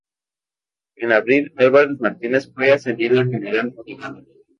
En abril, Álvarez Martínez fue ascendido a General de Brigada.